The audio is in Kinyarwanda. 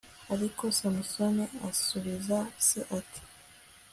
ariko samusoni asubiza se, ati